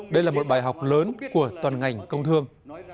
đây là một bài học lớn của toàn ngành công thương